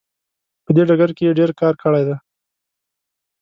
په دې ډګر کې یې ډیر کار کړی دی.